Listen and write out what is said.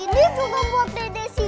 blah blah blah